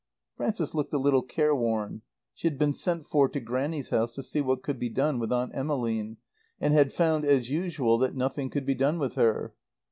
Frances looked a little careworn. She had been sent for to Grannie's house to see what could be done with Aunt Emmeline, and had found, as usual, that nothing could be done with her.